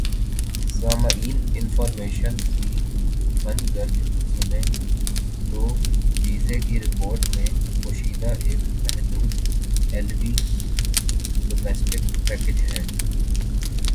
سامعین انفارمیشن کی گھن گرج سنیں تو ویزے کی رپورٹ میں پوشیدہ ایک محدود ایل وی ڈومیسٹک پیکج ہے